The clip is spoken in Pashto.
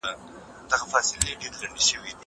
د دغه نظم یوه برخه ښاغلي جانان بهاري په ښکلي ږغ کي ویلې